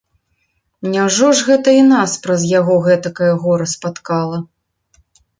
Няўжо ж гэта і нас праз яго гэтакае гора спаткала?